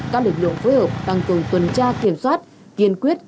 các lực lượng phối hợp tăng cường tuần tra kiểm soát kiên quyết